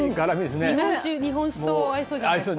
日本酒と合いそうじゃないですか。